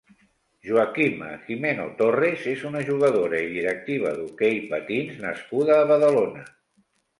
Joaquima Jimeno Torres és una jugadora i directiva d'hoquei patins nascuda a Badalona.